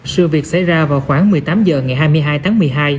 sự việc xảy ra vào khoảng một mươi tám h ngày hai mươi hai tháng một mươi hai